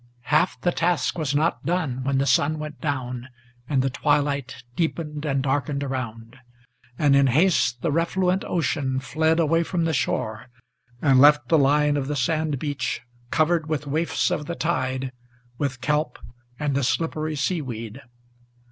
Half the task was not done when the sun went down, and the twilight Deepened and darkened around; and in haste the refluent ocean Fled away from the shore, and left the line of the sand beach Covered with waifs of the tide, with kelp and the slippery sea weed.